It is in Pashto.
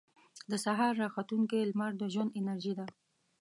• د سهار راختونکې لمر د ژوند انرژي ده.